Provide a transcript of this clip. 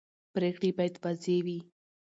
پرېکړې باید واضح وي